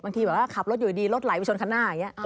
บางทีแบบว่าขับรถอยู่ดีรถไหลไปชนคันหน้าอย่างนี้